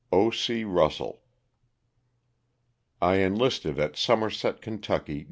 O. C. RUSSELL. T ENLISTED at Somerset, Ky.